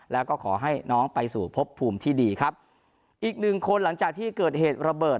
แล้วก็ขอให้น้องไปสู่พบภูมิที่ดีครับอีกหนึ่งคนหลังจากที่เกิดเหตุระเบิด